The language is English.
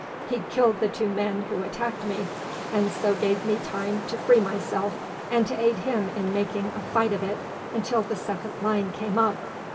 He killed the two men who attacked me, and so gave me time to free myself and to aid him in making a fight of it until the second line came up."